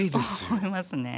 思いますね。